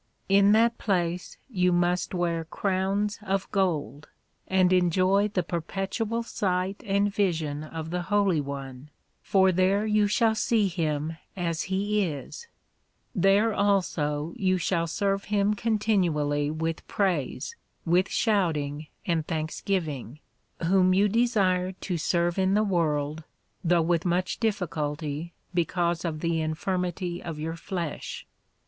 In that place you must wear Crowns of Gold, and enjoy the perpetual sight and vision of the Holy One, for there you shall see him as he is. There also you shall serve him continually with praise, with shouting, and thanksgiving, whom you desired to serve in the World, though with much difficulty, because of the infirmity of your flesh.